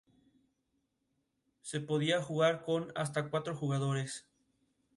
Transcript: Se podía jugar con hasta cuatro jugadores.